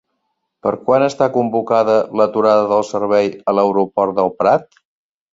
Per quan està convocada l'aturada del servei a l'aeroport del Prat?